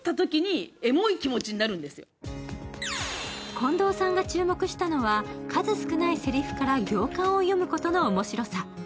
近藤さんが注目したのは、数少ないせりふから行間を読む面白さ。